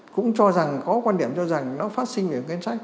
cũng cho rằng có quan điểm cho rằng nó phát sinh về ngân sách